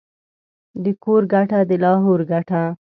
د کور گټه ، دلاهور گټه.